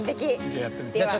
じゃあやってみて下さい。